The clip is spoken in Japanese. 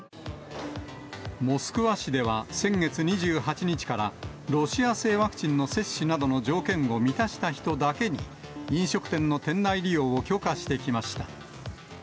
モスクワ市では先月２８日から、ロシア製ワクチンの接種などの条件を満たした人だけに、飲食店の店内利用を許可してきました。